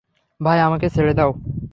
ভাই, আমাকে ছেড়ে দাও।